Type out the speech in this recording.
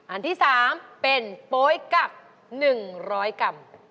อันที่๓เป็นโป๊ยกัก๑๐๐กรัม